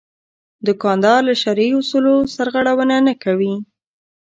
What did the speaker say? دوکاندار له شرعي اصولو سرغړونه نه کوي.